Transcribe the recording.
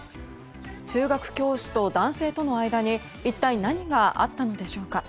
中学教師と男性との間に一体何があったのでしょうか。